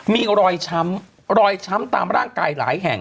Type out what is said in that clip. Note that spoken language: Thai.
มีรอยช้ำตามร่างกายหลายแห่ง